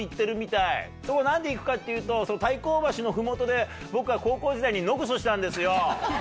そこ何で行くかっていうと大甲橋の麓で僕が高校時代に野グソしたんですよ。